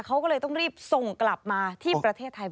เขาก็เลยต้องรีบส่งกลับมาที่ประเทศไทย